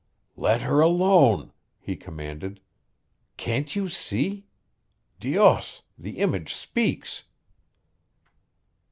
"Let her alone!" he commanded. "Can't you see? Dios! the image speaks!"